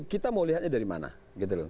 kita mau lihatnya dari mana gitu loh